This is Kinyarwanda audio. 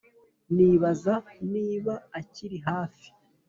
nibaza niba akiri hafi